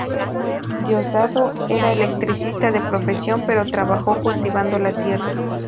Diosdado era electricista de profesión, pero trabajó cultivando la tierra.